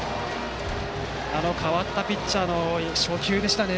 代わったピッチャーの初球でしたね。